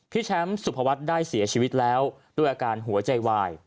แชมป์สุภวัฒน์ได้เสียชีวิตแล้วด้วยอาการหัวใจวาย